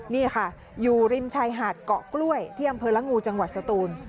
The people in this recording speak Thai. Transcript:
นี่ค่ะอยู่ริมชายหาดเกาะกล้วยที่อำเภอละงูจังหวัดสตูน